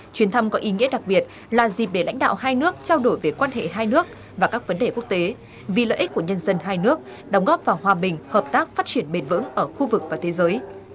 chuyến thăm có ý nghĩa đặc biệt là dịp để lãnh đạo hai nước trao đổi về quan hệ hai nước và các vấn đề quốc tế vì lợi ích của nhân dân hai nước đóng góp vào hòa bình hợp tác phát triển bền vững ở khu vực và thế giới